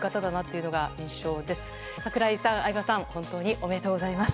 おめでとうございます。